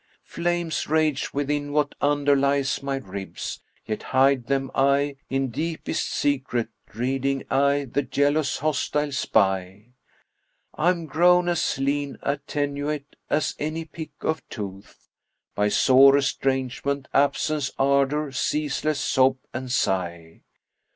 Flames rage within what underlies my ribs, yet hide them I * In deepest secret dreading aye the jealous hostile spy: I am grown as lean, attenuate as any pick of tooth,[FN#54] * By sore estrangement, absence, ardour, ceaseless sob and sigh.